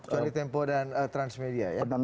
kecuali tempo dan transmedia ya